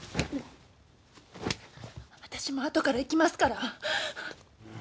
私も後から行きますから。